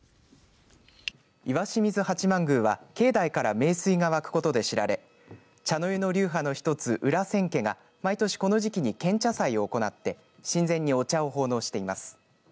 石清水八幡宮は境内から名水が湧くことで知られ茶の湯の流派の一つ、裏千家が毎年この時期に献茶祭を行って神前にお茶を奉納しています。